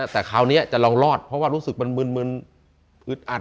แต่คราวนี้จะลองรอดเพราะว่ารู้สึกมันมึนอึดอัด